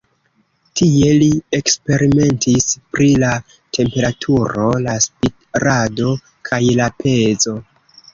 Tie li eksperimentis pri la temperaturo, la spirado kaj la pezo.